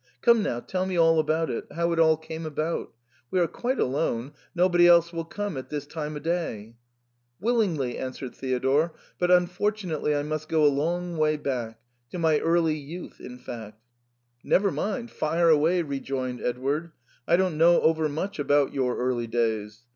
Come now, tell me all about it, how it all came about ; we are quite alone, nobody else will come at this time o* day." Willingly," answered Theodore, " but unfortunately I must go a long way back — to my early youth in fact." " Never mind ; fire away," rejoined Edward ;" I don't know over much about your early days.